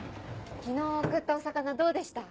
昨日送ったお魚どうでした？